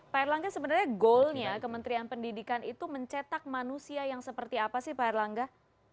pak erlangga sebenarnya goalnya kementerian pendidikan itu mencetak manusia yang seperti apa sih pak erlangga